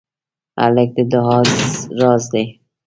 هلک د دعا راز دی.